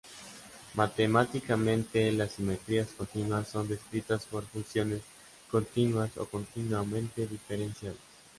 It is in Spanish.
Matemáticamente, las simetrías continuas son descritas por funciones continuas o continuamente diferenciables.